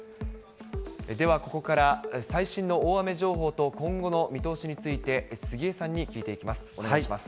ではここから、最新の大雨情報と今後の見通しについて、杉江さんに聞いていきます、お願いします。